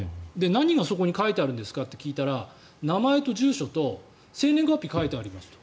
何がそこに書いてあるんですか？って聞いたら名前と住所と生年月日が書いてありますと。